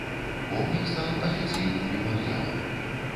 Помнік стаў афіцыйным мемарыялам.